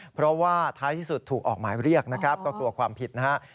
เพราะว่าท้ายที่สุดถูกออกหมายเรียกนะครับก็กลัวความผิดนะครับ